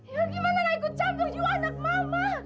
ya gimana gak ikut campur yuk anak mama